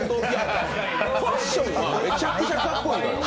ファッションはめちゃくちゃかっこいいのよ。